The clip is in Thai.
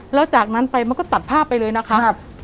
แล้วจากนั้นไปมันก็ตัดภาพไปเลยนะคะ